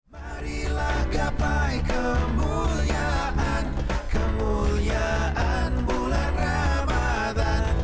marilah gapai kemuliaan kemuliaan bulan ramadhan